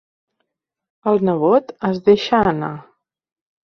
El nebot es deixa anar.